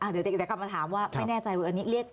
เดี๋ยวเด็กกลับมาถามว่าไม่แน่ใจว่านี่